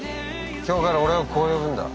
今日から俺をこう呼ぶんだ。